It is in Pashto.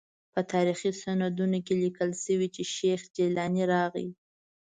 په تاریخي سندونو کې لیکل شوي چې شیخ جیلاني راغی.